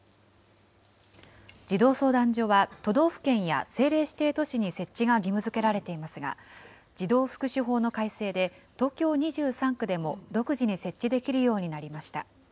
児童相談所は、都道府県や政令指定都市に設置が義務づけられていますが、児童福祉法の改正で、東京２３区でも独自に設置できるようになりました。